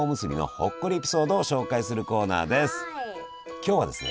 今日はですね